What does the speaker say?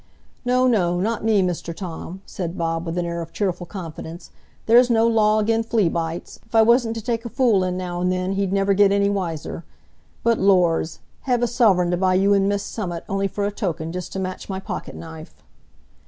"No, no; not me, Mr Tom," said Bob, with an air of cheerful confidence. "There's no law again' flea bites. If I wasn't to take a fool in now and then, he'd niver get any wiser. But, lors! hev a suvreign to buy you and Miss summat, on'y for a token—just to match my pocket knife."